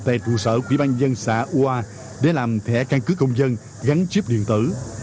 tại trụ sở quỹ ban dân xã ua để làm thẻ căn cứ công dân gắn chiếp điểm tử